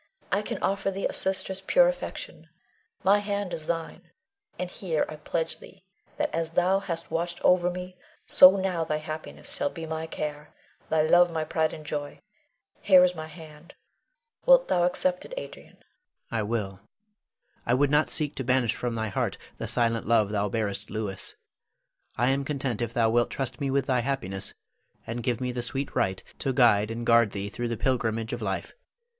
I can offer thee a sister's pure affection, my hand is thine; and here I pledge thee that as thou hast watched o'er me, so now thy happiness shall be my care, thy love my pride and joy. Here is my hand, wilt thou accept it, Adrian? Adrian. I will. I would not seek to banish from thy heart the silent love thou bearest Louis. I am content if thou wilt trust me with thy happiness, and give me the sweet right to guide and guard thee through the pilgrimage of life.